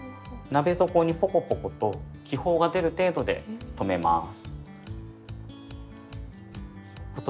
鍋底にポコポコと気泡が出る程度で止めます。